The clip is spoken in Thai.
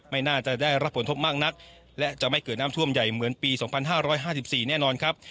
ไม่น่าจะได้รับผลทบมากนักและจะไม่เกิดน้ำท่วมใหญ่เหมือนปีสองพันห้าร้อยห้าสิบสี่แน่นอนครับ